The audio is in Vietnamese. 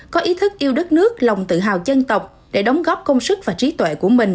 có ý thức yêu đất nước lòng tự hào dân tộc để đóng góp công sức và trí tuệ của mình